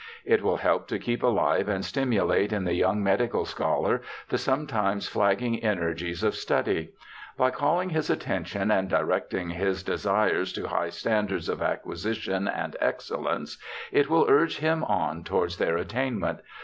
It will help to keep alive and stimulate in the young medical scholar the sometimes flagging energies of study. By calling his attention and directing his desires to high standards of acquisition and excellence, it will urge him on towards their attainment.